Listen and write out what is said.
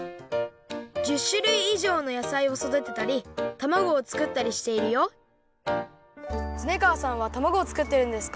１０しゅるいいじょうのやさいをそだてたりたまごをつくったりしているよ恒川さんはたまごをつくってるんですか？